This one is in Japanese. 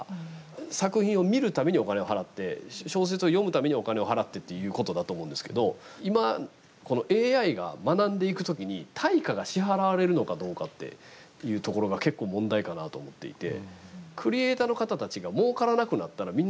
作品を見るためにお金を払って小説を読むためにお金を払ってっていうことだと思うんですけど今、このＡＩが学んでいく時に対価が支払われるのかどうかっていうところが結構、問題かなと思っていて。